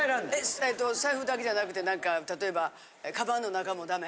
財布だけじゃなくて何か例えばカバンの中もダメ？